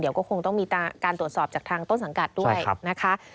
เดี๋ยวก็คงต้องมีการตรวจสอบจากทางต้นสังกัดด้วยนะคะ